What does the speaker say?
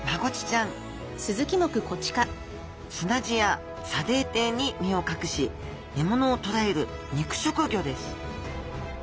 砂地や砂泥底に身を隠し獲物を捕らえる肉食魚です